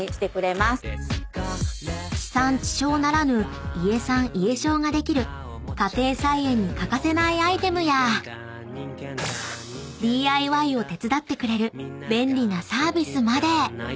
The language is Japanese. ［地産地消ならぬ家産家消ができる家庭菜園に欠かせないアイテムやＤＩＹを手伝ってくれる便利なサービスまで］